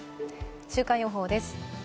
週間予報です。